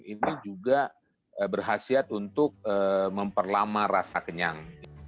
ini juga berhasil untuk memperlama rasa kenyang